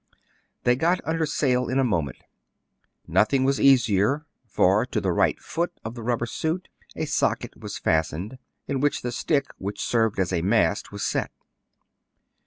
They got under sail in a moment. Nothing was easier ; for to the right foot of the rubber suit a 222 TRIBULATIONS OF A CHINAMAN. socket was fastened, in which the stick which served as a mast was set.